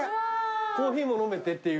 コーヒーも飲めてっていう？